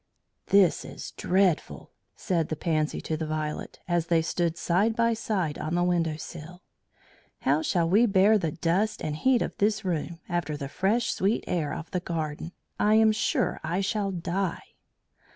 "This is dreadful," said the Pansy to the Violet, as they stood side by side on the window sill. "How shall we bear the dust and heat of this room after the fresh sweet air of the garden? I am sure I shall die."